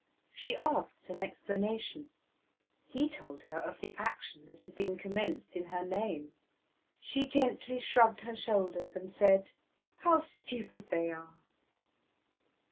She asked an explanation; he told her of the action that had been commenced in her name; she gently shrugged her shoulders, and said, "How stupid they are!"